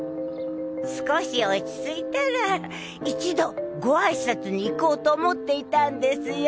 少し落ち着いたら一度ごあいさつに行こうと思っていたんですよ